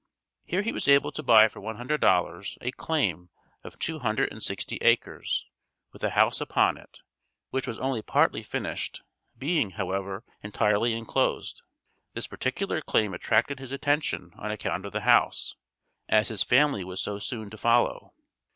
Here he was able to buy for $100 a claim of two hundred and sixty acres, with a house upon it, which was only partly finished, being, however entirely enclosed. This particular claim attracted his attention on account of the house, as his family was so soon to follow.